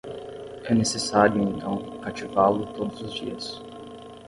É necessário, então, cativá-lo todos os dias.